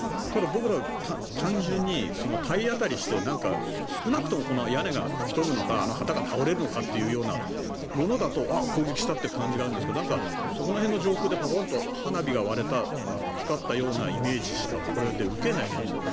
僕らは単純に体当たりして少なくとも屋根が吹き飛ぶのか旗が倒れるようなものだと攻撃したという感じがあるんですがそこら辺の上空でパコーンと花火が光ったようなイメージしかこれで受けないじゃないですか。